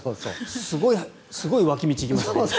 すごい脇道行きましたね。